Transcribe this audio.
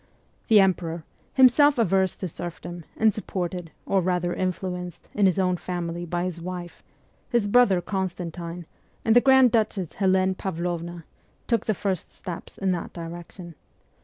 The emperor, himself averse to serfdom, and supported, or rather influenced, in his own family by his wife, his brother Constantine, and the grand duchess Helene Pdvlovna, took the first steps in that direction.